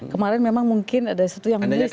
kemarin memang mungkin ada satu yang miss lah